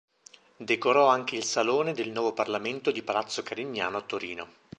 Decorò anche il salone del nuovo Parlamento di palazzo Carignano a Torino.